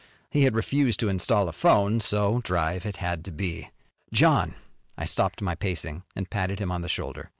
He had refused to install a phone, so drive it had to be. "John." I stopped my pacing and patted him on the shoulder.